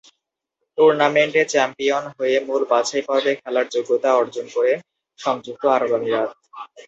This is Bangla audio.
টুর্নামেন্টে চ্যাম্পিয়ন হয়ে মূল বাছাইপর্বে খেলার যোগ্যতা অর্জন করে সংযুক্ত আরব আমিরাত।